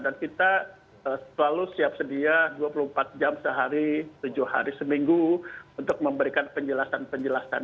dan kita selalu siap sedia dua puluh empat jam sehari tujuh hari seminggu untuk memberikan penjelasan penjelasan